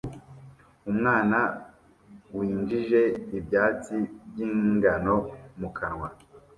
umwana winjije ibyatsi by'ingano mu kanwa